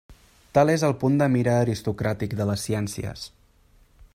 Tal és el punt de mira aristocràtic de les ciències.